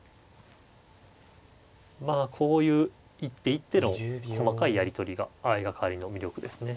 まあこういう一手一手の細かいやり取りが相掛かりの魅力ですね。